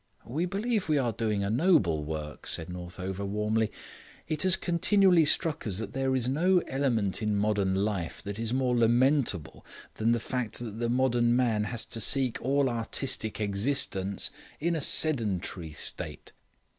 "We believe that we are doing a noble work," said Northover warmly. "It has continually struck us that there is no element in modern life that is more lamentable than the fact that the modern man has to seek all artistic existence in a sedentary state.